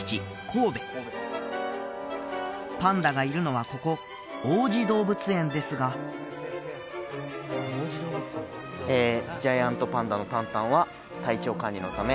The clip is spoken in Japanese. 神戸パンダがいるのはここ王子動物園ですがえ「ジャイアントパンダの旦旦は体調管理のため」